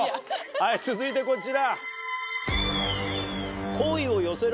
はい続いてこちら。